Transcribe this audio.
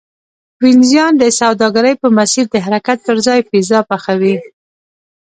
وینزیان د سوداګرۍ په مسیر د حرکت پرځای پیزا پخوي